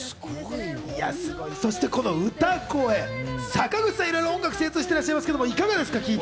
そしてこの歌声、坂口さん、音楽に精通していらっしゃいますけど、どうですか？